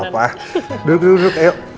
gapapa duduk duduk yuk